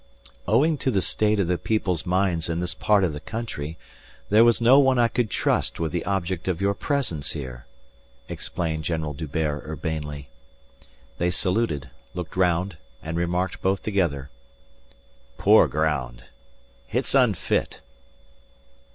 "Owing to the state of the people's minds in this part of the country there was no one I could trust with the object of your presence here," explained General D'Hubert urbanely. They saluted, looked round, and remarked both together: "Poor ground." "It's unfit."